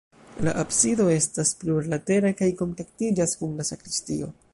La absido estas plurlatera kaj kontaktiĝas kun la sakristio.